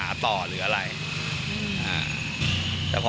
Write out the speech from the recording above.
มันต้องการมาหาเรื่องมันจะมาแทงนะ